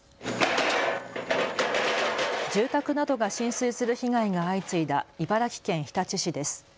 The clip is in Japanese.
住宅などが浸水する被害が相次いだ茨城県日立市です。